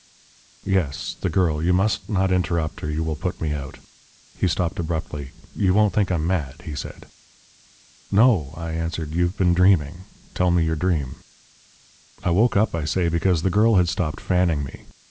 "Yes, the girl. You must not interrupt or you will put me out." He stopped abruptly. "You won't think I'm mad?" he said. "No," I answered; "you've been dreaming. Tell me your dream." "I woke up, I say, because the girl had stopped fanning me.